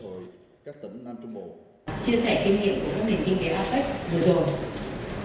chia sẻ kinh nghiệm của các nền kinh tế apec vừa rồi